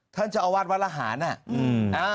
ท่านจะเอาวาสวรรษหานะ